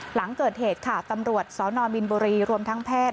หลังเกิดเหตุค่ะตำรวจสนบินบุรีรวมทั้งแพทย์